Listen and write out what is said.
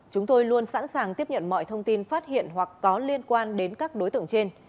chúng tôi luôn sẵn sàng tiếp nhận mọi thông tin phát hiện hoặc có liên quan đến các đối tượng trên